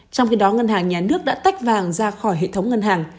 trong khi đó ngân hàng nhà nước đã tách vàng ra khỏi hệ thống ngân hàng